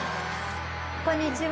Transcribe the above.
こんにちは。